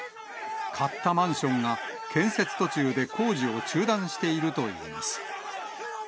買ったマンションが建設途中で工事を中断しているといいます。